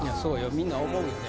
みんな思うよね。